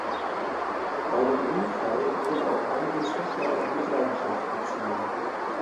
Bei dem Unfall wurden auch einige Zuschauer in Mitleidenschaft gezogen.